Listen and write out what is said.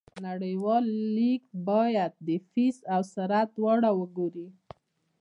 نړیوال لیږد باید د فیس او سرعت دواړه وګوري.